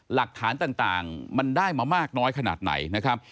หลักฐานต่างมันได้มามากน้อยขนาดไหนนะครับ